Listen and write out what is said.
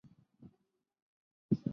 麦丝玛拉成立于雷焦艾米利亚。